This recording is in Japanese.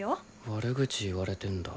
悪口言われてんだ。